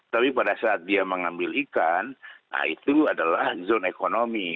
tapi pada saat dia mengambil ikan nah itu adalah zone ekonomi